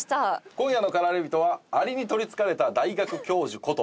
今夜の駆られ人はアリにとりつかれた大学教授こと